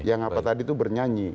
yang apa tadi itu bernyanyi